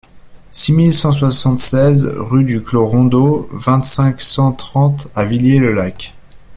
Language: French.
six mille cent soixante-seize rue du Clos Rondot, vingt-cinq, cent trente à Villers-le-Lac